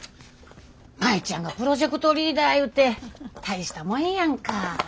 舞ちゃんがプロジェクトリーダーいうて大したもんやんか。